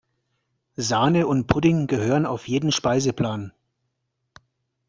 Sahne und Pudding gehören auf jeden Speiseplan.